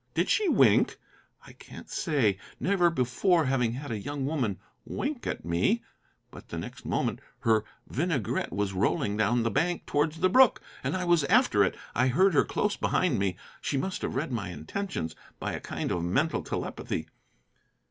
Did she wink? I can't say, never before having had a young woman wink at me. But the next moment her vinaigrette was rolling down the bank towards the brook, and I was after it. I heard her close behind me. She must have read my intentions by a kind of mental telepathy.